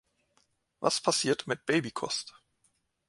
Was passiert mit Babykost?